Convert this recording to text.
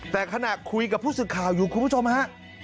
แต่ขณะคุยกับผู้สื่อข่าวอยู่คุณผู้ชมฮะ